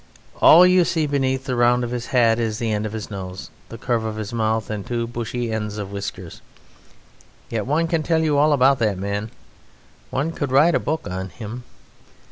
All you see beneath the round of his hat is the end of his nose, the curve of his mouth, and two bushy ends of whiskers. Yet one can tell all about that man; one could write a book on him.